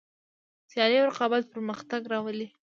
سیالي او رقابت پرمختګ راولي.